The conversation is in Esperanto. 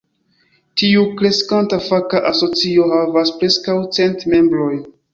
Tiu kreskanta faka asocio havas preskaŭ cent membrojn.